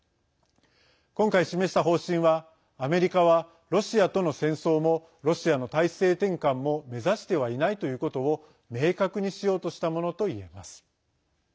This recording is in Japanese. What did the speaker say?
今回示した方針はアメリカはロシアとの戦争もロシアの体制転換も目指してはいないということを明確にしようとしたものといえます。